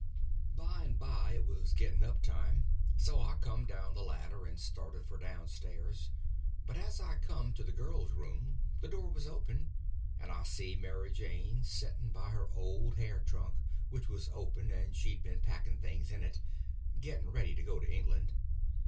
By and by it was getting up time. So I come down the ladder and started for down stairs; but as I come to the girls' room the door was open, and I see Mary Jane setting by her old hair trunk, which was open and she'd been packing things in it—getting ready to go to England.